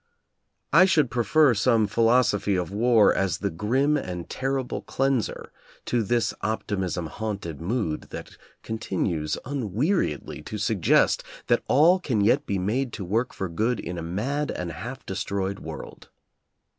I should prefer some philos ophy of War as the grim and terrible cleanser to this optimism haunted mood that continues un weariedly to suggest that all can yet be made to work for good in a mad and half destroyed world.